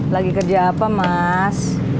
lagi kerja apa mas